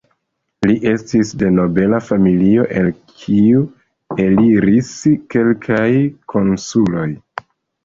Li estis de nobela familio el kiu eliris kelkaj konsuloj.